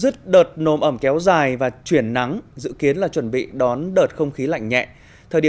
thời điểm ra mùa này đợt nồm ẩm kéo dài và chuyển nắng dự kiến là chuẩn bị đón đợt không khí lạnh nhẹ